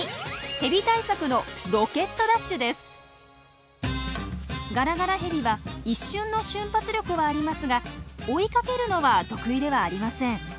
ヘビ対策のガラガラヘビは一瞬の瞬発力はありますが追いかけるのは得意ではありません。